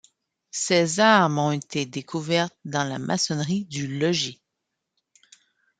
Ses armes ont été découvertes dans la maçonnerie du logis.